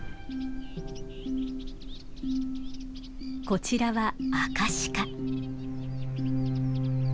こちらはアカシカ。